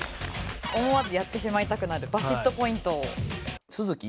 思わずやってしまいたくなるバシッとポイントを。